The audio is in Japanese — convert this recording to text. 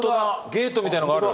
ゲートみたいのがある。